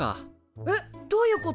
えっどういうこと？